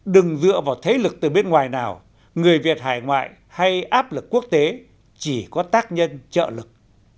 đừng dựa vào thế lực từ bên ngoài nào người việt hải ngoại hay áp lực quốc tế chỉ có tác nhân trợ lực